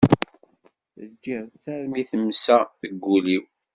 Teǧǧiḍ-tt armi temsa deg ul-iw.